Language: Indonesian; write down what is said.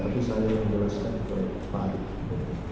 tapi saya menjelaskan kepada pak rituan